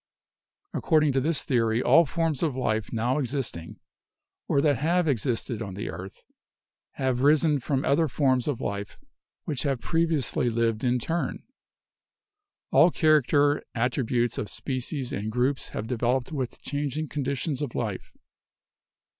Accord ing to this theory all forms of life now existing, or that have existed on the earth, have risen from other forms of life which have previously lived in turn. All characters and attributes of species and groups have developed with changing conditions of life.